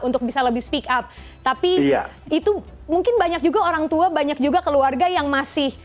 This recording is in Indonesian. untuk bisa lebih speak up tapi itu mungkin banyak juga orang tua banyak juga keluarga yang masih